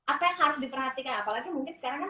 apa yang harus diperhatikan apalagi mungkin sekarang kan